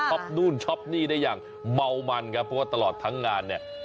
นู่นช็อปนี่ได้อย่างเมามันครับเพราะว่าตลอดทั้งงานเนี่ย